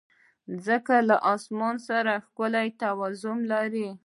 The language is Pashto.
مځکه له اسمان سره ښکلی توازن لري.